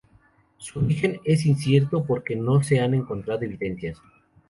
Su origen es incierto porque no se han encontrado evidencias.